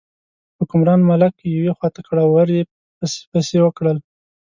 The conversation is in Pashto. حکمران ملک یوې خوا ته کړ او ور یې پسپسي وکړل.